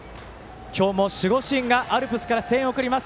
今日も守護神がアルプスから声援を送ります。